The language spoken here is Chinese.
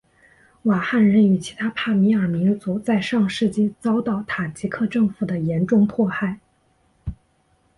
瓦罕人与其他帕米尔民族在上世纪遭到塔吉克政府的严重迫害。